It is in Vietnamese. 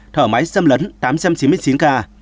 thở máy xâm lấn tám trăm chín mươi chín ca